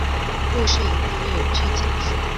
故事以第一人称讲述。